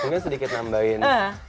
mungkin sedikit nambahin